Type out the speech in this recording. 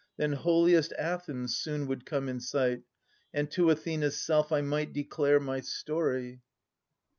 Then holiest Athens soon would come in sight. And to Athena's self I might declare my story.